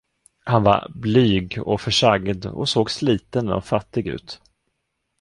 Han var blyg och försagd och såg sliten och fattig ut.